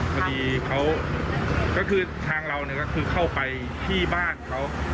พอดีเขาก็คือทางเราเนี่ยก็คือเข้าไปที่บ้านเขา